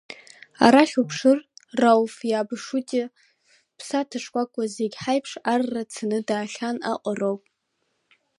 Арахь уԥшыр, Рауф иаб Шутиа ԥсаҭа-шкәакәа, зегь ҳаиԥш арра дцаны даахьан аҟароуп.